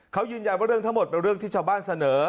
เขายืนยันว่าเรื่องทั้งหมดเป็นเรื่องที่ชาวบ้านเสนอ